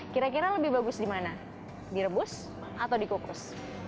kira kira lebih bagus di mana direbus atau dikukus